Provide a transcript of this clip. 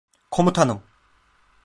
Komutanım!